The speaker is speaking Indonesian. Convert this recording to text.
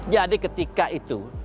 jadi ketika itu